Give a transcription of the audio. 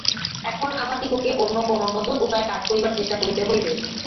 এখন আমাদিগকে অন্য কোন নূতন উপায়ে কাজ করিবার চেষ্টা করিতে হইবে।